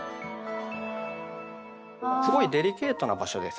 すごいデリケートな場所ですので。